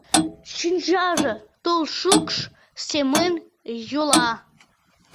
Шинчаже тулшукш семын йӱла.